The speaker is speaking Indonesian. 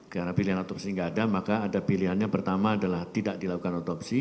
karena pilihan otopsi nggak ada maka ada pilihannya pertama adalah tidak dilakukan otopsi